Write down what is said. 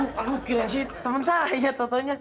kamu kirain sih temen saya ya tontonya